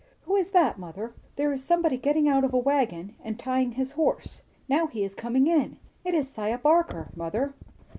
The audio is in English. "Who is that, mother? There is somebody getting out of a wagon and tying his horse; now he is coming in. It is 'Siah Barker, mother."